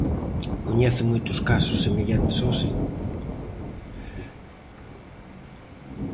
Coñece moitos casos semellantes ao seu?